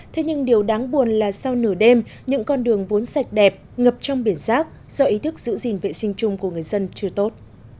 thế nhưng điều đáng buồn là sau nửa đêm những con đường vốn sạch đẹp ngập trong biển rác do ý thức giữ gìn vệ sinh chung của người dân chưa tốt